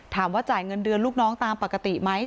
ถามว่าจ่ายเงินเดือนลูกน้องตามปกติไหม